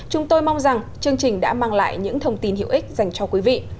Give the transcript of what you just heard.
chúng tôi mong rằng chương trình đã mang lại những thông tin hữu ích dành cho quý vị